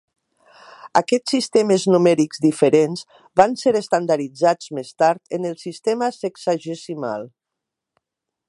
Aquests sistemes numèrics diferents van ser estandarditzats més tard en el sistema sexagesimal.